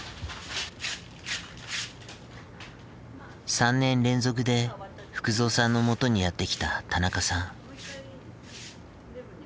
３年連続で福蔵さんのもとにやって来た田中さん。